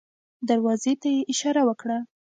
دروازې ته يې اشاره وکړه.